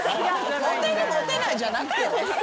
モテるモテないじゃなくてね。